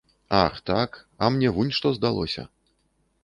Ах, так, а мне вунь што здалося.